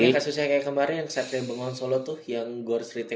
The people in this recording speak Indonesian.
apalagi kasusnya kayak kemarin yang set dari bengawan solo tuh yang gue harus retake